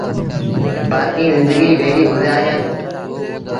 بآڪيٚݩ زندگيٚ ڀيڙيٚ گُزآريآݩدوݩ